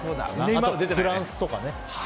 フランスとかね。